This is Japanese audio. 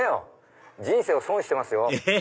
人生を損してますよ。え？